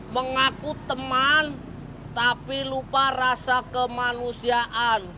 mengaku teman tapi lupa rasa kemanusiaan